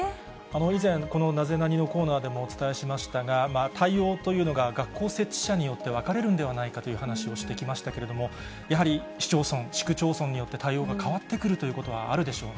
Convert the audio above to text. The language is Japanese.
以前、このナゼナニっ？のコーナーでもお伝えしましたが、対応というのが、学校設置者によって分かれるんではないかという話をしてきましたけれども、やはり、市町村、市区町村によって対応が変わってくるということはあるでしょうね。